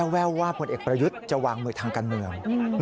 แววว่าผลเอกประยุทธ์จะวางมือทางการเมือง